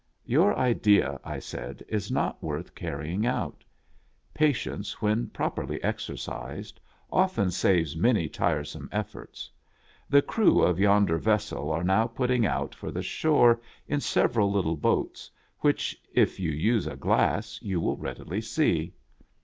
"Your idea," I said, "is not worth carrying out. Patience, when properly exercised, often saves many tiresome efforts. The crew of yonder vessel are now putting out for the shore in several little boats, which, if you use a glass, you will readily see."